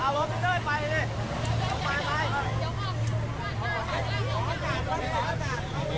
อาวุธลล้มเฮ่ยไปเลย